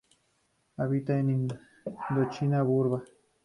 Habita en Indochina, Burma.